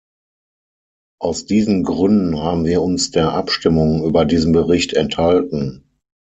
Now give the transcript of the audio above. Aus diesen Gründen haben wir uns der Abstimmung über diesen Bericht enthalten.